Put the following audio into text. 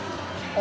あ！